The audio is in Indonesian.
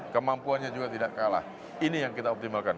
kemampuannya juga tidak kalah ini yang kita optimalkan